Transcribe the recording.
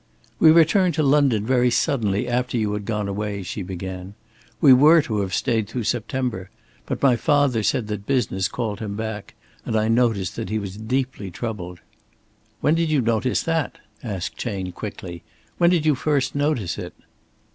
"We returned to London very suddenly after you had gone away," she began. "We were to have stayed through September. But my father said that business called him back, and I noticed that he was deeply troubled." "When did you notice that?" asked Chayne, quickly. "When did you first notice it?"